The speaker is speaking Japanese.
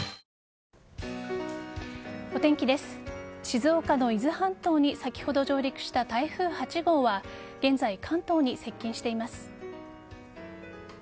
静岡の伊豆半島に先ほど上陸した台風８号は現在、関東に接近しています。